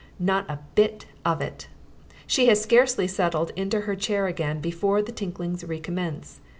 Not a bit of it. She has scarcely settled in her chair again before the tinklings recommence.